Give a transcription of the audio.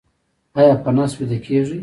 ایا په نس ویده کیږئ؟